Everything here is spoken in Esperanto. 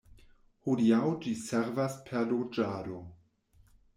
Hodiaŭ ĝi servas por loĝado.